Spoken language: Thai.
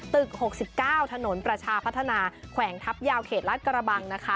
ตึก๖๙ถนนประชาพัฒนาแขวงทัพยาวเขตลาดกระบังนะคะ